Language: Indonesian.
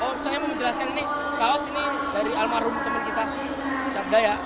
oh saya mau menjelaskan ini kaos ini dari almarhum teman kita sabda ya